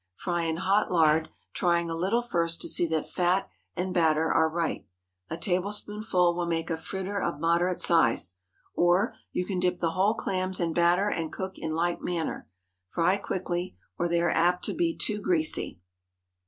Fry in hot lard, trying a little first to see that fat and batter are right. A tablespoonful will make a fritter of moderate size. Or, you can dip the whole clams in batter and cook in like manner. Fry quickly, or they are apt to be too greasy.